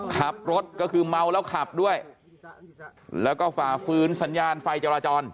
ขับรถก็คือเมาแล้วขับด้วยแล้วก็ฝ่าฟื้นสัญญาณไฟจราจร